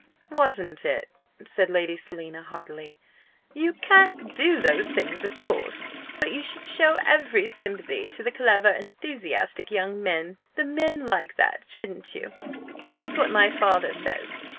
"Wasn't it?" said Lady Selina, heartily. "You can't do those things, of course! But you should show every sympathy to the clever enthusiastic young men the men like that shouldn't you? That's what my father says.